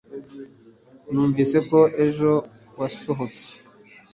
Numvise ko ejo wasohotse.